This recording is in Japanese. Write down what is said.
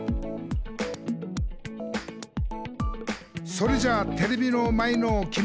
「それじゃテレビの前のきみ！」